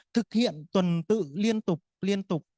thực hiện tuần tự liên tục